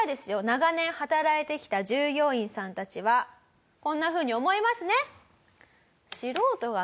長年働いてきた従業員さんたちはこんなふうに思いますね。